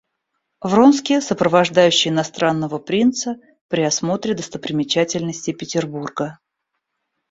Вронский, сопровождающий иностранного принца при осмотре достопримечательностей Петербурга.